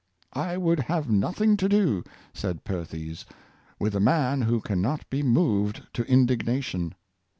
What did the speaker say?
" I would have nothing to do," said Perthes^ " with the man who can not be moved to indignation.